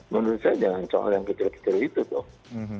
menurut saya jangan cuma yang kecil kecil itu